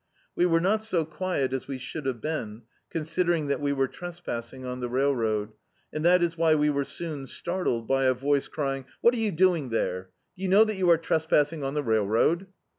We were not so quiet as we should have been, con sidering that we were trespassing on the railroad; and that is why we were soon startled by a voice crying: "What are you doing there? Do you know that you are trespassing on the railroad?"